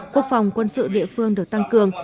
quốc phòng quân sự địa phương được tăng cường